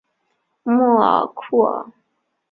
穆阿库尔。